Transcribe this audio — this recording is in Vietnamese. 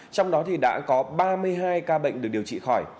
trong đó đã có ba mươi hai ca bệnh được điều trị khỏi